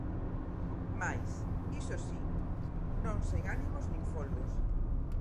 Mais, iso si, non sen ánimos nin folgos.